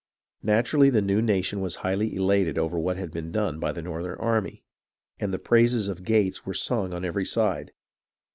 Naturally the new nation was highly elated over what had been done by the northern army ; and the praises of Gates were sung on every side.